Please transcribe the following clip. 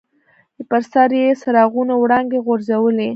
پر سر یې څراغونو وړانګې غورځولې.